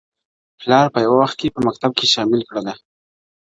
پلار په یو وخت په مکتب کي شامل کړله,